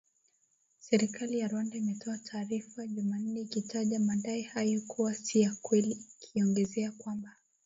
Serikali ya Rwanda imetoa taarifa jumanne ikitaja madai hayo kuwa si ya kweli ikiongezea kwamba